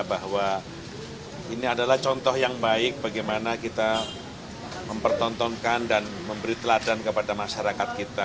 bahwa ini adalah contoh yang baik bagaimana kita mempertontonkan dan memberi teladan kepada masyarakat kita